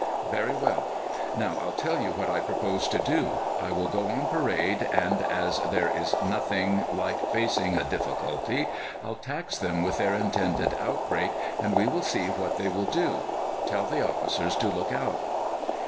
"'Very well. Now, I'll tell you what I propose to do. I will go on parade, and, as there is nothing like facing a difficulty, I'll tax them with their intended outbreak, and we will see what they will do. Tell the officers to look out.